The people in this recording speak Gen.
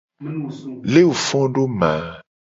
Leke wo fo do ma ?